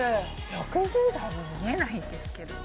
６０代に見えないんですけど。